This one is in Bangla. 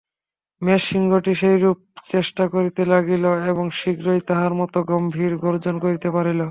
মেষ-সিংহটিও সেইরূপ চেষ্টা করিতে লাগিল এবং শীঘ্রই তাহার মত গম্ভীর গর্জন করিতে পারিল।